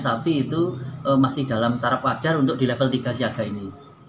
tapi itu masih dalam tarap wajar untuk di level tiga siaga ini